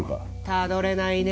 たどれないね